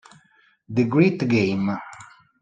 The Great Game